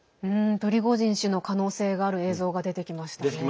プリゴジン氏の可能性がある映像が出てきましたね。